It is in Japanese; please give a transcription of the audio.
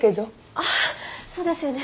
あっそうですよね。